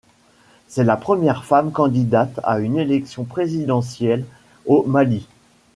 C’est la première femme candidate à une élection présidentielle au Mali.